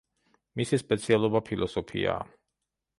მისი სპეციალობა ფილოსოფიაა.